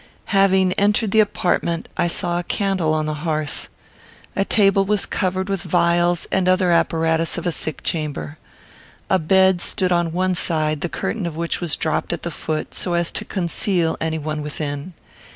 Having entered the apartment, I saw a candle on the hearth. A table was covered with vials and other apparatus of a sick chamber. A bed stood on one side, the curtain of which was dropped at the foot, so as to conceal any one within.